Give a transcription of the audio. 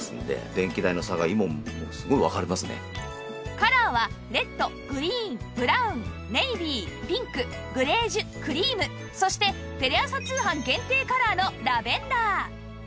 カラーはレッドグリーンブラウンネイビーピンクグレージュクリームそしてテレ朝通販限定カラーのラベンダー